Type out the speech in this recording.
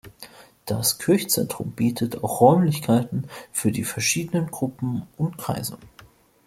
Das Kirchenzentrum bietet auch Räumlichkeiten für die verschiedenen Gruppen und Kreise.